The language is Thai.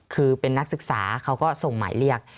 คือเป็นนักศึกษาเขาก็ส่งหมายเรียก